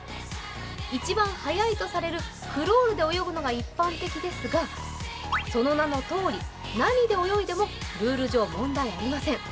一番速いとされるクロールで泳ぐのが一般的ですがその名のとおり、何で泳いでもルール上、問題ありません。